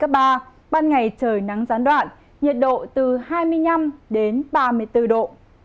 gió tây nam cấp hai cấp ba ban ngày trời nắng gián đoạn nhiệt độ từ hai mươi năm đến ba mươi bốn độ